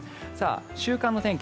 週間の天気